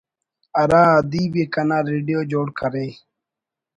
ہرا ادیب ءِ کنا ریڈیو جوڑ کرے